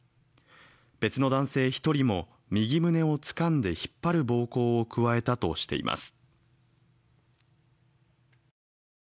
別の男性１人も右胸をつかんで引っ張る暴行を加えたとしています。